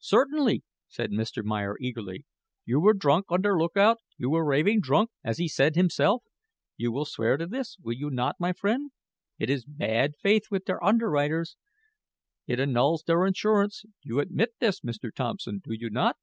"Certainly," said Mr. Meyer, eagerly. "You were drunk on der lookout you were raving drunk, as he said himself. You will swear to this, will you not, my friend? It is bad faith with der underwriters. It annuls der insurance. You admit this, Mr. Thompson, do you not?"